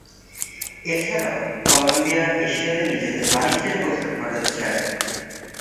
এছাড়াও, কলম্বিয়া এশিয়াতে নিজেদের বাণিজ্যের প্রসার ঘটাতে চায়।